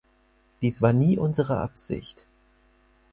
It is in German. Dies war nie unsere Absicht.